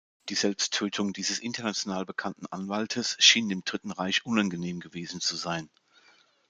Die Selbsttötung dieses international bekannten Anwaltes schien dem Dritten Reich unangenehm gewesen zu sein.